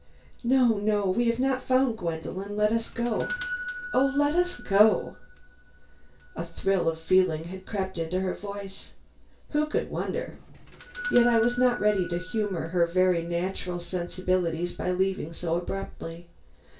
"No, no. We have not found Gwendolen; let us go. Oh, let us go!" A thrill of feeling had crept into her voice. Who could wonder? Yet I was not ready to humor her very natural sensibilities by leaving quite so abruptly.